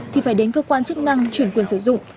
thì phải đến cơ quan chức năng chuyển quyền sử dụng